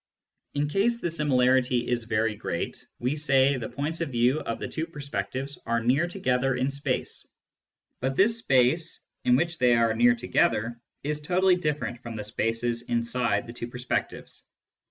In case the similarity is very great, we say the points of view of the two perspectives are near together in space ; but this space in which they are near together is totally different from the spaces inside the two perspectives.